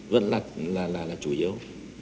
vẫn là chủ yếu